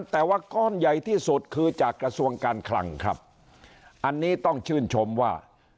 แต่ว่าก้อนใหญ่ที่สุดคือจากกระทรวงการคลังครับอันนี้ต้องชื่นชมว่า